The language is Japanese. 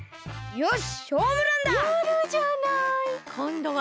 よし！